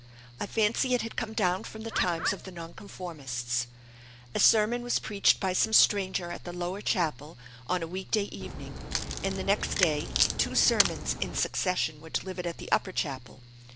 I fancy it had come down from the times of the Nonconformists. A sermon was preached by some stranger at the Lower Chapel, on a week day evening, and the next day, two sermons in succession were delivered at the Upper Chapel.